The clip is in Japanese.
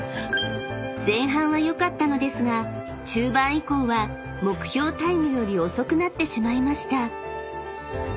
［前半は良かったのですが中盤以降は目標タイムより遅くなってしまいました］